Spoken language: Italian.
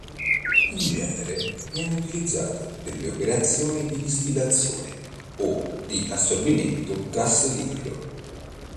In genere viene utilizzata per le operazioni di distillazione o di assorbimento gas-liquido.